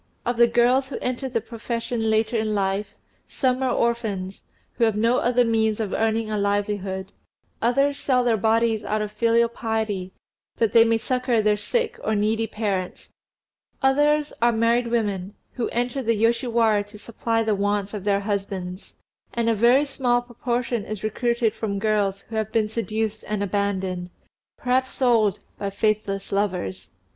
Of the girls who enter the profession later in life, some are orphans, who have no other means of earning a livelihood; others sell their bodies out of filial piety, that they may succour their sick or needy parents; others are married women, who enter the Yoshiwara to supply the wants of their husbands; and a very small proportion is recruited from girls who have been seduced and abandoned, perhaps sold, by faithless lovers.